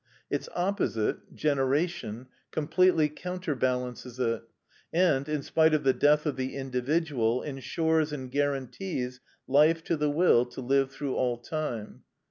Its opposite, generation, completely counterbalances it; and, in spite of the death of the individual, ensures and guarantees life to the will to live through all time.